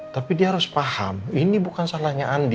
tapi dia harus paham ini bukan salahnya andi